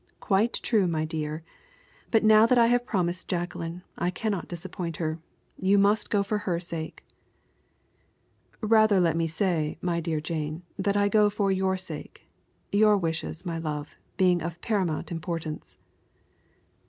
"Quite true, my dear; but now that I have promised Jacqueline, I can not disappoint her. You must go for her sake." "Rather let me say, my dear Jane, that I go for your sake your wishes, my love, being of paramount importance."